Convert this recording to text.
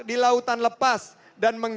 di lautan lepas dan